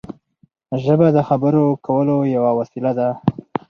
ژبه د خبرو کولو یوه وسیله ده.